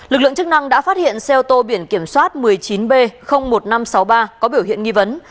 lực lượng chức năng đã phát hiện xe ô tô biển kiểm soát một mươi chín b một nghìn năm trăm sáu mươi ba có biểu hiện nghi vấn